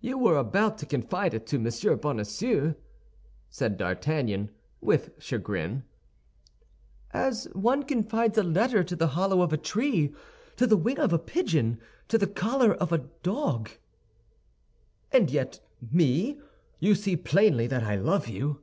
"You were about to confide it to Monsieur Bonacieux," said D'Artagnan, with chagrin. "As one confides a letter to the hollow of a tree, to the wing of a pigeon, to the collar of a dog." "And yet, me—you see plainly that I love you."